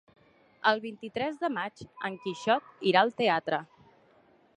El vint-i-tres de maig en Quixot irà al teatre.